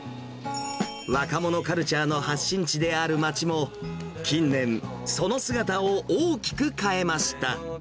若者カルチャーの発信地である街も近年、その姿を大きく変えました。